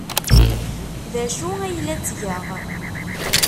D acu ay la ttgeɣ?